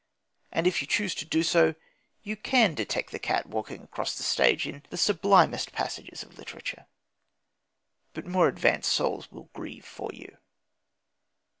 And if you choose to do so, you can detect the cat walking across the stage in the sublimest passages of literature. But more advanced souls will grieve for you.